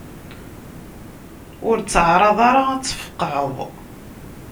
Ur ttεaraḍ ara ad tfeqεeḍ.